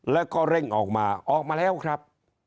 แล้วก็เร่งออกมาออกมาแล้วครับ